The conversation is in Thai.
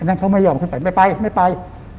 อันนั้นเขาไม่ยอมขึ้นไปไปไม่ไป